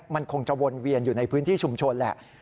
มันคงจะวนเวียนอยู่ในพื้นที่ชุมชนแหละ